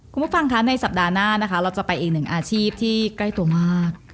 คุณผู้ฟังค่ะในสัปดาห์หน้านะคะเราจะไปอีกหนึ่งอาชีพที่ใกล้ตัวมาก